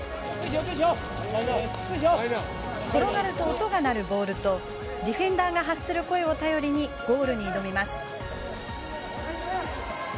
転がると音が鳴るボールとディフェンダーが発する声を頼りにゴールに挑みます。